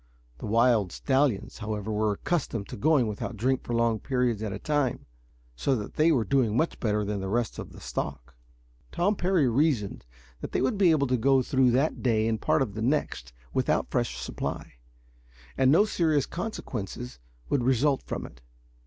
The wild stallions, however, were accustomed to going without drink for long periods at a time, so that they were doing much better than the rest of the stock. Tom Parry reasoned that they would be able to go through that day and part of the next without fresh supply, and that no serious consequences would result from it.